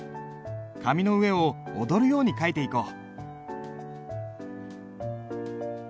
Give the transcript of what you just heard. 紙の上を踊るように書いていこう。